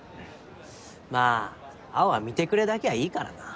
まぁ青は見てくれだけはいいからな。